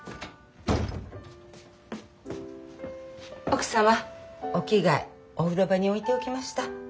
奥様お着替えお風呂場に置いておきました。